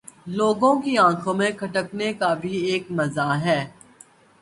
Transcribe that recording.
لوگوں کی آنکھوں میں کھٹکنے کا بھی ایک مزہ ہے